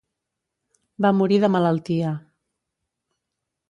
Va morir de malaltia.